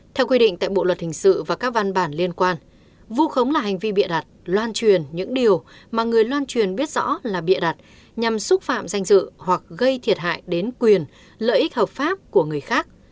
theo quy định tại bộ luật hình sự và các văn bản liên quan vu khống là hành vi bịa đặt loan truyền những điều mà người loan truyền biết rõ là bịa đặt nhằm xúc phạm danh dự hoặc gây thiệt hại đến quyền lợi ích hợp pháp của người khác